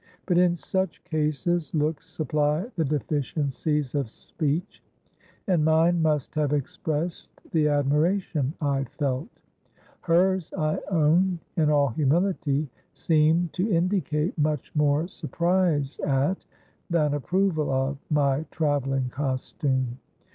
But in such cases, looks supply the deficiencies of speech, and mine must have expressed the admiration I felt. Hers, I own, in all humility, seemed to indicate much more surprise at, than approval of, my travelling costume.